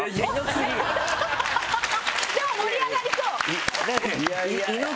でも盛り上がりそう！